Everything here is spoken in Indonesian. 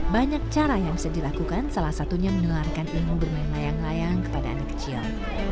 banyak cara yang bisa dilakukan salah satunya menularkan ilmu bermain layang layang kepada anak kecil